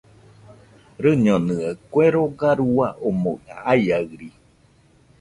Rɨñonɨaɨ, kue roga rua omoɨ aiaɨri.